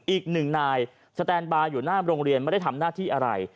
อีกหนึ่งนายสแตนบาร์อยู่หน้าโรงเรียนไม่ได้ทำหน้าที่อะไร